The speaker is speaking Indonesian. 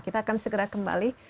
kita akan segera kembali